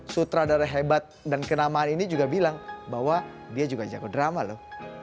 sutradara hebat dan kenamaan ini juga bilang bahwa dia juga jago drama loh